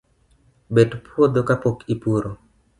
Bet puotho kapok ipuro